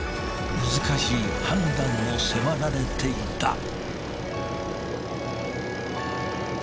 難しい判断を迫られていた。